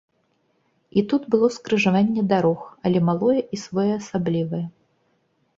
І тут было скрыжаванне дарог, але малое і своеасаблівае.